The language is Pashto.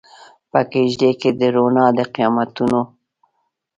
په کیږدۍ کې د روڼا د قیامتونو